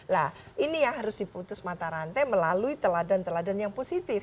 nah ini yang harus diputus mata rantai melalui teladan teladan yang positif